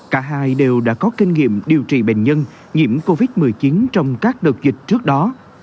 cả hai đều đã có kinh nghiệm điều trị bệnh nhân nhiễm covid một mươi chín trong các đợt dịch trước đó